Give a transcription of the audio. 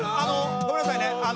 ごめんなさいねあの。